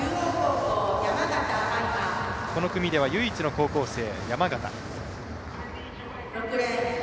この組では唯一の高校生、山形。